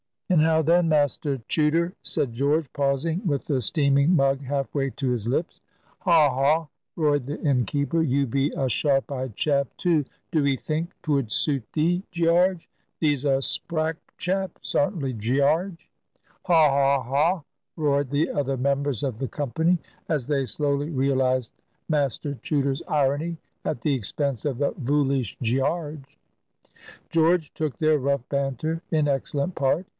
"And how then, Master Chuter?" said George, pausing, with the steaming mug half way to his lips. "Haw, haw!" roared the inn keeper: "you be a sharp eyed chap, too! Do 'ee think 'twould suit thee, Gearge? Thee's a sprack chap, sartinly, Gearge!" "Haw, haw, haw!" roared the other members of the company, as they slowly realized Master Chuter's irony at the expense of the "voolish" Gearge. George took their rough banter in excellent part.